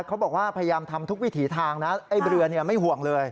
พยายามทำทั่ววิถีทางนะเรือยังไม่ห่วงเลย